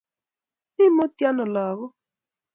imut ano lakok.